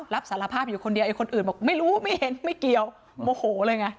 รับสารภาพอยู่คนเดียวไอ้คนอื่นบอกไม่รู้ไม่เห็นไม่เกี่ยวโมโหเลยไง